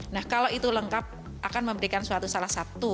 nah kalau itu lengkap akan memberikan suatu salah satu